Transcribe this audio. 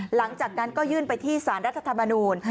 หลังจากนั้นก็ยื่นไปที่สารรัฐธรรมนูล